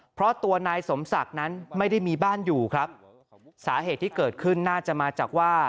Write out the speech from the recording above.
เพราะตัวนายสมศักดิ์นั้นไม่ได้มีบ้านอยู่ครับสาเหตุที่เกิดขึ้นน่าจะมาจากว่า